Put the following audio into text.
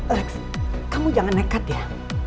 rex kamu jangan nekat ya